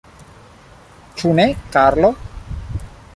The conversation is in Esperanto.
Ĉu ne, Karlo?